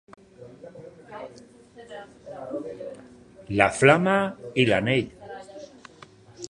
La flama i l’anell.